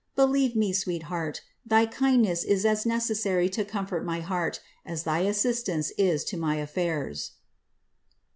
* Believe me, sweetheart, thy kindness is as necessary to comfort my heart, a& tbrisfistance is to my affairs."